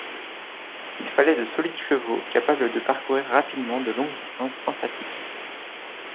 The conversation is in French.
Il fallait de solides chevaux capables de parcourir rapidement de longues distances sans fatigue.